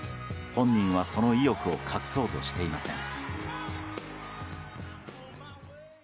本人は、その意欲を隠そうとしていません。